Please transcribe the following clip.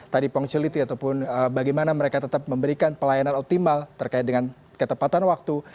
tadi pontility ataupun bagaimana mereka tetap memberikan pelayanan optimal terkait dengan ketepatan waktu